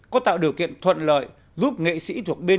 có tạo điều kiện thuận lợi giúp nghệ sĩ thuộc bên